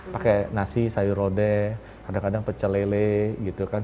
pakai nasi sayur rode kadang kadang pecel lele gitu kan